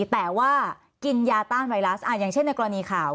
แต่ว่ากินยาต้านไวรัสอย่างเช่นในกรณีข่าว